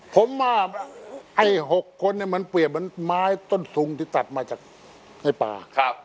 ผมว่าไอ้๖คนมันเปรียบเหมือนไม้ต้นทุงที่ตัดมาจากไอ้ป่า